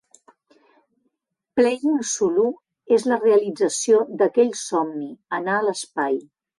Playing Sulu és la realització d"aquell somni: anar a l"espai.